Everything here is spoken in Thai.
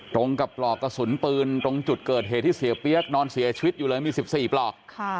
ตรงกับปลอกกระสุนปืนตรงจุดเกิดเหตุที่เสียเปี๊ยกนอนเสียชีวิตอยู่เลยมี๑๔ปลอก